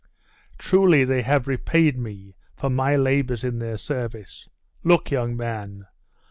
Truly they have repaid me for my labours in their service. Look, young man!